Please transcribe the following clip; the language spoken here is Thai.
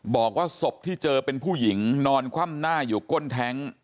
บอกว่าศพที่เจอเป็นผู้หญิงนอนคว่ำหน้าอยู่ก้นแท้ง